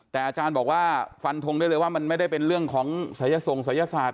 แต่อาจารย์บอกว่าฟันทงได้เลยว่ามันไม่ได้เป็นเรื่องของศัยส่งศัยศาสต